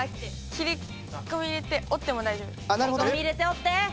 切り込み入れて折って！